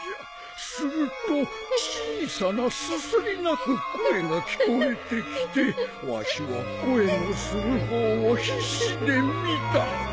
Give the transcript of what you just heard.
すると小さなすすり泣く声が聞こえてきてわしは声のする方を必死で見た。